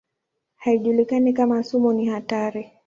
Haijulikani kama sumu ni hatari.